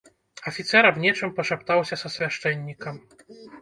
Афіцэр аб нечым пашаптаўся са свяшчэннікам.